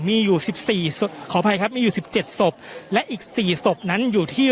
มีอยู่สิบสี่ขออภัยครับมีอยู่สิบเจ็ดศพและอีกสี่ศพนั้นอยู่ที่